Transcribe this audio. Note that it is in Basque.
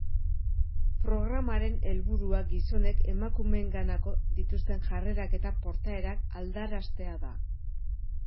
Programaren helburua gizonek emakumeenganako dituzten jarrerak eta portaerak aldaraztea da.